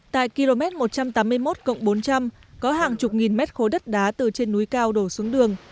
tại km một trăm tám mươi một bốn trăm linh có hàng chục nghìn mét khối đất đá từ trên núi cao đổ xuống đường